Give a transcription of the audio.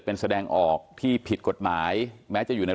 โปรดติดตามต่อไป